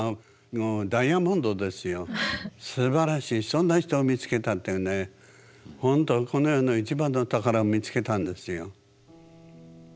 そんな人を見つけたってねほんとこの世の一番の宝を見つけたんですよ。